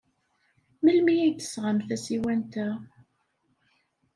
Melmi ay d-tesɣam tasiwant-a?